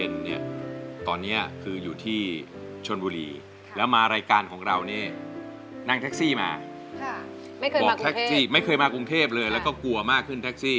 ไม่เคยมากรุงเทพไม่เคยมากรุงเทพเลยแล้วก็กลัวมากขึ้นแท็กซี่